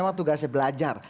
memang tugasnya belajar